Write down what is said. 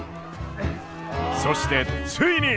そしてついに。